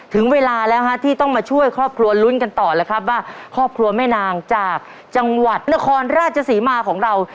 ถึงเวลาแล้วฮะที่ต้องมาช่วยครอบครัวลุ้นกันต่อแล้วครับว่าครอบครัวแม่นางจากจังหวัดนครราชศรีมาของเรา